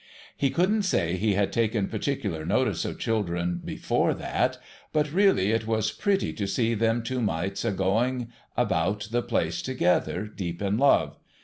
He couldn't say he had taken particular notice of children before that ; but really it was pretty to see them two mites a going about the place together, deep in love.